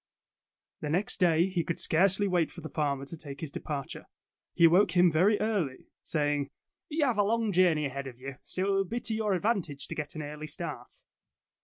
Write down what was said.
The next day, he could scarcely wait for the farmer to take his departure. He awoke him very early, saying: ''You have a long journey ahead of you, so it will be to your advantage to get an early start.